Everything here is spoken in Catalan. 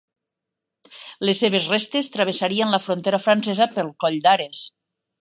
Les seves restes travessarien la frontera francesa pel Coll d'Ares.